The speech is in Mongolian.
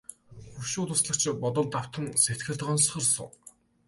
Хошуу туслагч бодолд автан сэтгэл гонсгор сууна.